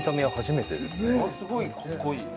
ものすごいかっこいい。